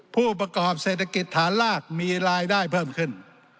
ผู้ประกอบเศรษฐกิจฐานรากมีรายได้เพิ่มขึ้น